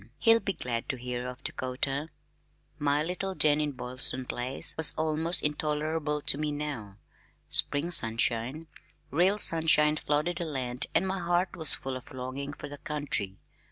He'll be glad to hear of Dakota." My little den in Boylston Place was almost intolerable to me now. Spring sunshine, real sunshine flooded the land and my heart was full of longing for the country.